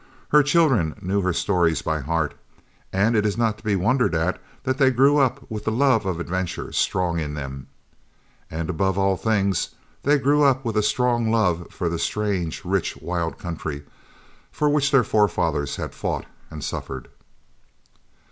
Her children knew her stories by heart, and it is not to be wondered at that they grew up with the love of adventure strong in them. And above all things, they grew up with a strong love for the strange, rich, wild country for which their forefathers had fought and suffered.